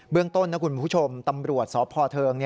เรื่องต้นนะคุณผู้ชมตำรวจสพเทิง